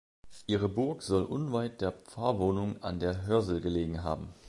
Ihre Burg soll unweit der Pfarrwohnung an der Hörsel gelegen haben.